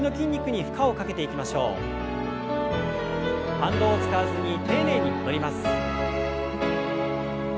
反動を使わずに丁寧に戻ります。